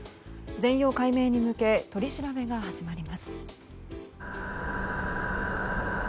全容解明に向け取り調べが始まります。